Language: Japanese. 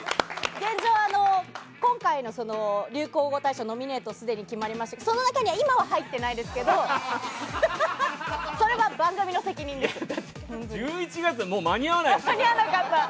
現状、今回の流行語大賞ノミネートがすでに決まりましたがその中には今は入ってないですが１１月じゃ間に合わなかった。